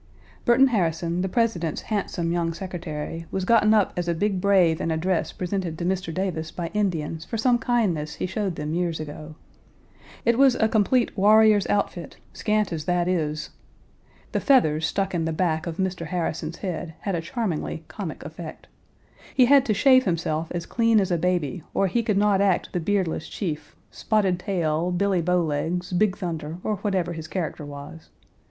Burton Harrison, the President's handsome young secretary, was gotten up as a big brave in a dress presented to Mr. Davis by Indians for some kindness he showed them years ago. It was a complete warrior's outfit, scant as that is. The feathers stuck in the back of Mr. Harrison's head had a charmingly comic effect. He had to shave himself as clean as a baby or he could not act the beardless chief, Spotted Tail, Billy Bowlegs, Big Thunder, or whatever his character was.